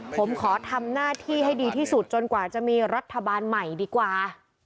ผมขอทำหน้าที่ให้ดีที่สุดจนกว่าจะมีรัฐบาลใหม่ดีกว่า